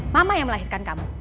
mama yang melahirkan kamu